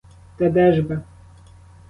Та де ж би?